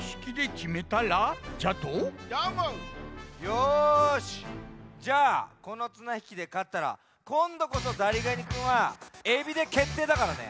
よしじゃあこのつなひきでかったらこんどこそザリガニくんはエビでけっていだからね。